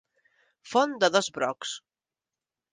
Font de dos brocs.